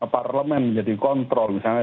parlemen menjadi kontrol misalnya